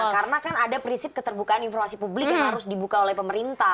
karena kan ada prinsip keterbukaan informasi publik yang harus dibuka oleh pemerintah